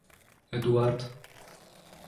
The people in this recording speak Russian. Эдуард